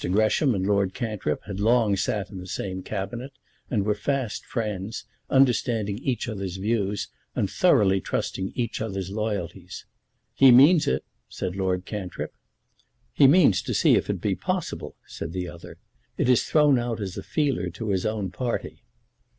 Gresham and Lord Cantrip had long sat in the same Cabinet, and were fast friends, understanding each other's views, and thoroughly trusting each other's loyalty. "He means it," said Lord Cantrip. "He means to see if it be possible," said the other. "It is thrown out as a feeler to his own party."